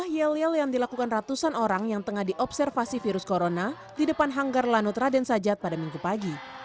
yel yel yang dilakukan ratusan orang yang tengah diobservasi virus corona di depan hanggar lanut raden sajat pada minggu pagi